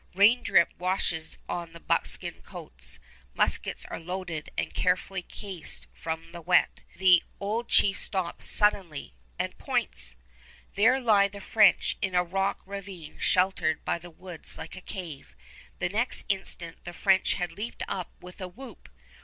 Raindrip swashes on the buckskin coats. Muskets are loaded and carefully cased from the wet. The old chief stops suddenly ... and points! There lie the French in a rock ravine sheltered by the woods like a cave. The next instant the French had leaped up with a whoop.